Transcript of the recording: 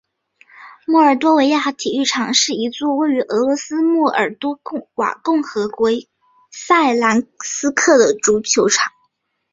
莫尔多维亚体育场是一座位于俄罗斯莫尔多瓦共和国萨兰斯克的足球场。